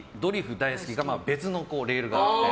大好き別のレールがあって。